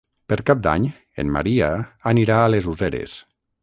Per Cap d'Any en Maria anirà a les Useres.